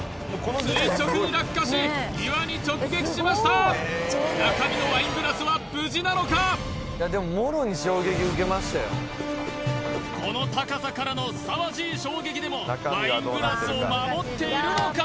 垂直に落下し岩に直撃しました中身のワイングラスは無事なのかこの高さからのすさまじい衝撃でもワイングラスを守っているのか？